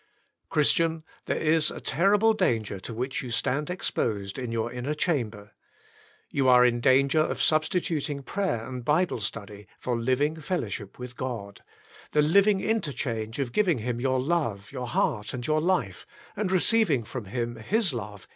Christian! there is a terrible danger to which you stand exposed in your inner chamber. You are in danger of substituting Prayer and Bible Study for living fellowship with God, the living interchange of giving Him your love, your heart, and your life, and receiving from Him His love.